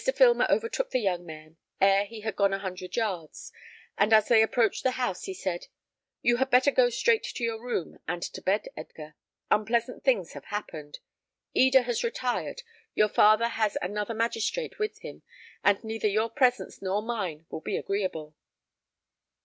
Filmer overtook the young man ere he had gone a hundred yards, and as they approached the house, he said, "You had better go straight to your room, and to bed, Edgar. Unpleasant things have happened. Eda has retired, your father has another magistrate with him, and neither your presence nor mine will be agreeable."